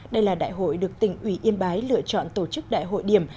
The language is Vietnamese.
đây là đại hội được tỉnh ủy yên bái lựa chọn tổ chức đại hội điểm